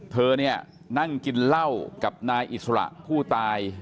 เธอเนี่ยนั่งกินเหล้ากับนายอิสระผู้ตาย